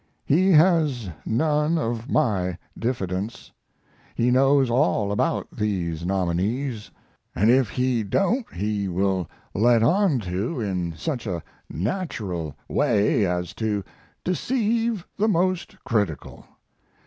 He has none of my diffidence. He knows all about these nominees, and if he don't he will let on to in such a natural way as to deceive the most critical.